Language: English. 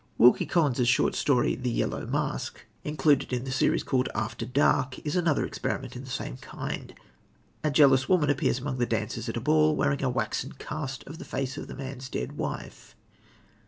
Wilkie Collins' short story, The Yellow Mask, included in the series called After Dark, is another experiment in the same kind. A jealous woman appears among the dancers at a ball, wearing a waxen cast of the face of the man's dead wife.